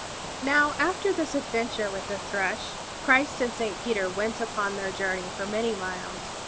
Now after this adventure with the Thrush, Christ and Saint Peter went upon their journey for many miles.